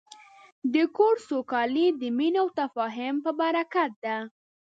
د کور سوکالي د مینې او تفاهم په برکت ده.